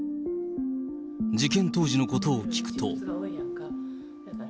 事件当時のことを聞くと。